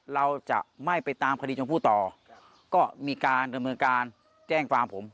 เราจะไม่ไปตามคดีชมพู่ต่อก็มีการดำเนินการแจ้งความผม